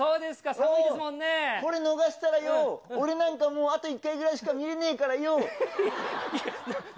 寒いですもんこれ逃したらよ、俺なんかもう、あと１回ぐらいしか見れないからよう。